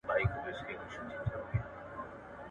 د نوي نسل فکر د پخواني نسل په پرتله پراخ دی.